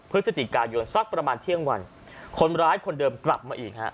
พฤศจิกายนสักประมาณเที่ยงวันคนร้ายคนเดิมกลับมาอีกฮะ